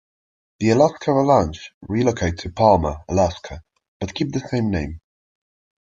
The Alaska Avalanche relocate to Palmer, Alaska, but keep the same name.